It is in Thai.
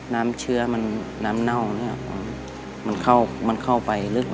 น้ำเชื้อน้ำเน่ามันเข้าไปลึก